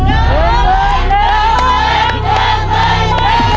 ๑บอร์นัส